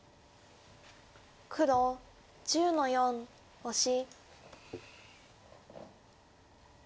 黒１０の四オシ。